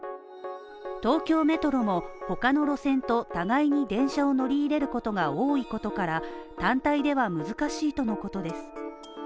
東京メトロも、他の路線と互いに電車を乗り入れることも多いことから単体では難しいとのことです。